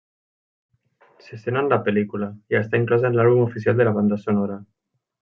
Se sent en la pel·lícula i està inclosa en l'àlbum oficial de la banda sonora.